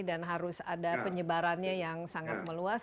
dan harus ada penyebarannya yang sangat meluas